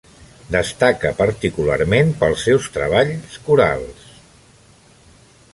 Destaca particularment pels seus treballa corals.